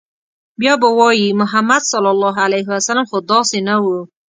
بيا به وايي، محمد ص خو داسې نه و